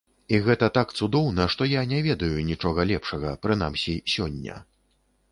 І гэта так цудоўна, што я не ведаю нічога лепшага, прынамсі, сёння.